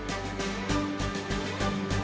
untuk indonesia raya